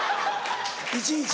いちいち。